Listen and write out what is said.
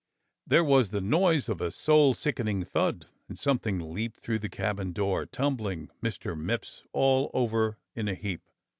There was the noise of a soul sickening thud, and something leaped through the cabin door, tumbling Mr. Mipps all over in a heap.